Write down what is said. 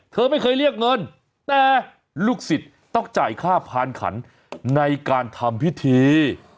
เธอไม่เคยเรียกเงินแต่ลูกศิษย์ต้องจ่ายค่าพานขันในการทำพิธี